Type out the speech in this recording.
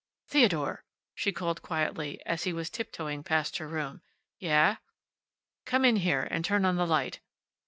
"Theodore!" she called quietly, just as he was tip toeing past her room. "Yeh." "Come in here. And turn on the light."